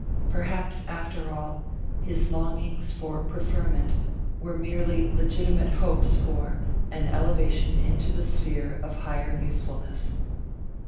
Perhaps, after all, his longings for preferment were merely legitimatehopes for 'an elevation into a sphere of higher usefulness'.